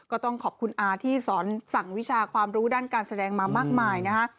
ก็ต้องขอบคุณอาที่สอนสั่งวิชาความรู้ด้านการแสดงมามากมายนะฮะ